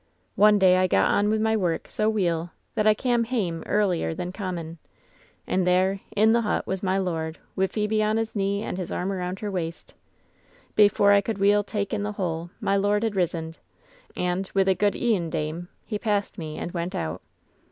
"One day I got on wi' my work so weel that I cam' hame airlier than common. And there, i' the hut, was my lord, wi' Phebe on his knee and his arm around her waist. Before I could weel tak' in the whole, my lord had risen, and, with a *Good e'en, dame,' he passed me, and went out.